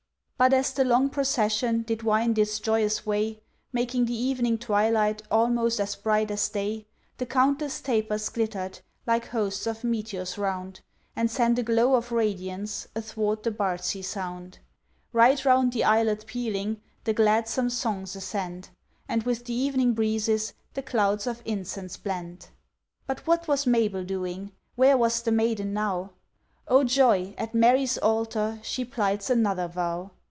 But as the long procession Did wind its joyous way, Making the evening twilight Almost as bright as day, The countless tapers glittered Like hosts of meteors round, And sent a glow of radiance Athwart the Bardsey Sound. Right round the Islet pealing, The gladsome songs ascend, And with the evening breezes The clouds of incense blend. But what was Mabel doing, Where was the maiden now? O joy! at Mary's altar, She plights another vow!